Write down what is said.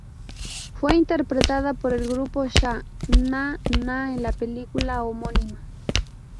Fue interpretada por el grupo Sha Na Na en la película homónima.